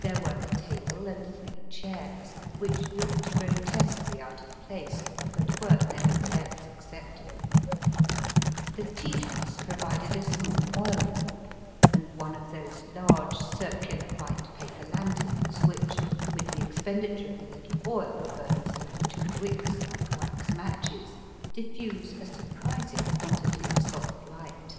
There were a table and three chairs, which looked grotesquely out of place, but were neverthe less acceptable. The tea house provided a small oil lamp and one of those large circular white paper lanterns which, with the expen diture of a little oil burned through two wicks Digitized by VjOOQIC ACBOSS COUNTBY IN JINBIKISHAS. 247 like wax matches, diffuse a surprising quantity of soft light.